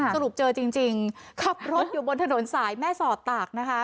ค่ะสรุปเจอจริงจริงเข้ารถอยู่บนถนนแม่ศอดตากนะคะ